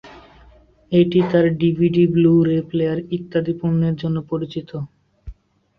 এটি তার DVD Blu-ray player ইত্যাদি পণ্যের জন্য পরিচিত।